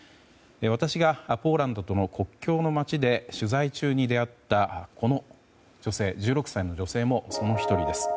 私がポーランドとの国境の町で取材中に出会ったこの１６歳の女性もその１人です。